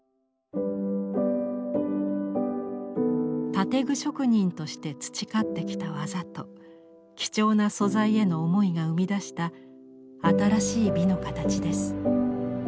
建具職人として培ってきた技と貴重な素材への思いが生み出した新しい美の形です。